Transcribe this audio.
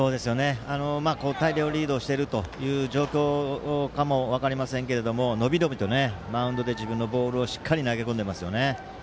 大量リードをしている状況だからかも分かりませんが、伸び伸びとマウンドで自分のボールをしっかり投げ込んでいますよね。